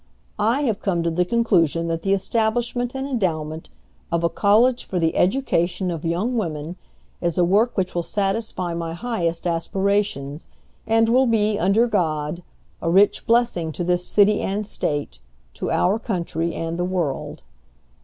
I have come to the conclusion that the establishment and endowment of a COLLEGE FOR THE EDUCATION OF YOUNG WOMEN is a work which will satisfy my highest aspirations, and will be, under God, a rich blessing to this city and State, to our country and the world.